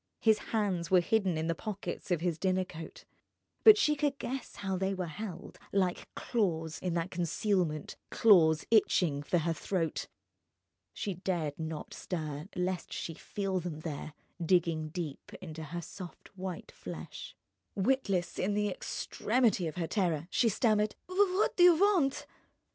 His hands were hidden in the pockets of his dinner coat; but she could guess how they were held, like claws, in that concealment, claws itching for her throat. She dared not stir lest she feel them there, digging deep into her soft white flesh. Witless, in the extremity of her terror, she stammered: "What do you want?"